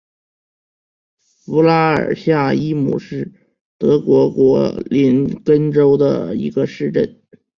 弗拉尔夏伊姆是德国图林根州的一个市镇。